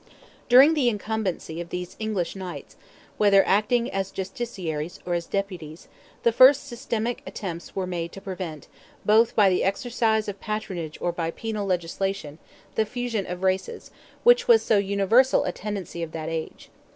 During the incumbency of these English knights, whether acting as justiciaries or as deputies, the first systematic attempts were made to prevent, both by the exercise of patronage or by penal legislation, the fusion of races, which was so universal a tendency of that age.